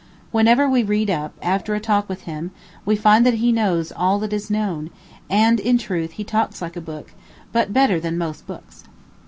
Whenever we read up, after a walk with him, we find that he knows all that is known; and in truth he talks like a book, but better than most books.